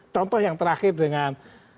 contoh yang terakhir dengan